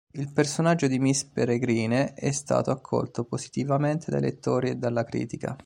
Il personaggio di Miss Peregrine è stato accolto positivamente dai lettori e dalla critica.